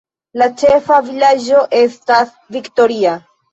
La ĉefa vilaĝo estas Victoria.